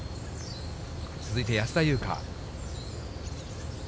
続いて安田祐香。